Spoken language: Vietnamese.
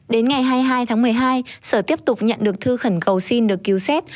đến ngày hai mươi hai tháng một mươi hai sở tiếp tục nhận được thư khẩn cầu xin được cứu xét